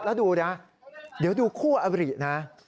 แล้วดูนะเดี๋ยวดูคู่อบรินะ